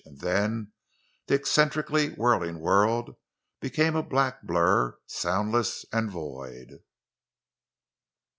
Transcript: And then the eccentrically whirling world became a black blur, soundless and void.